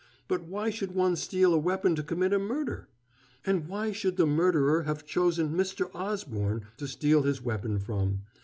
But why should one steal a weapon to commit a murder? And why should the murderer have chosen Mr. Osborne to steal his weapon from?